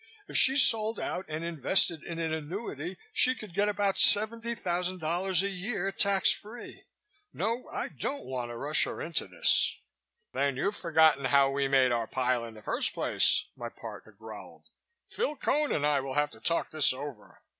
If she sold out and invested in an annuity she could get about $70,000 a year, tax free. No, I don't want to rush her into this." "Then you've forgotten how we made our pile in the first place," my partner growled. "Phil Cone and I will have to talk this over.